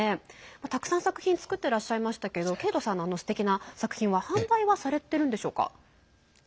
たくさん作品作ってらっしゃいましたけどケイトさんの、すてきな作品は販売はされてるんでしょうか？